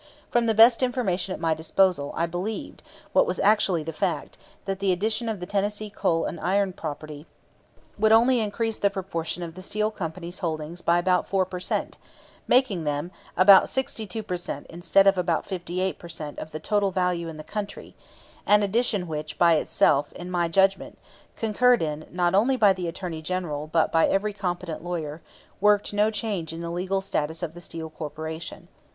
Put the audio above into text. From the best information at my disposal, I believed (what was actually the fact) that the addition of the Tennessee Coal and Iron property would only increase the proportion of the Steel Company's holdings by about four per cent, making them about sixty two per cent instead of about fifty eight per cent of the total value in the country; an addition which, by itself, in my judgment (concurred in, not only by the Attorney General but by every competent lawyer), worked no change in the legal status of the Steel corporation.